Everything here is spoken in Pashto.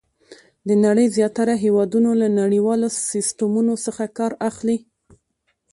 د نړۍ زیاتره هېوادونه له نړیوالو سیسټمونو څخه کار اخلي.